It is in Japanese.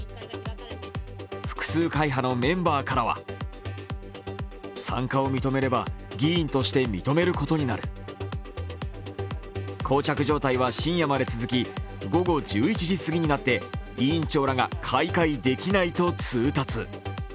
複数会派のメンバーからはこう着状態は深夜まで続き、午後１１時過ぎになって委員長らが開会できないと通達。